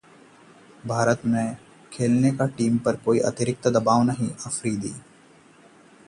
भारत में खेलने का टीम पर कोई अतिरिक्त दबाव नहीं: अफरीदी